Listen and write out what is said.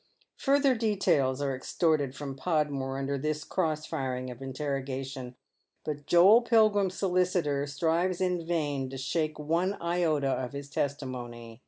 Further details are extorted from Podmore under this cross firing of interrogation ; but Joel Pilgrim's solicitor strives in vain to shake one iota of his testimony.